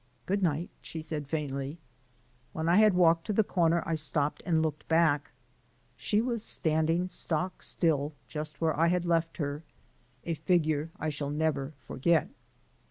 "Good night," she said faintly. When I had walked to the corner, I stopped and looked back. She was standing stock still just where I had left her a figure I shall never forget.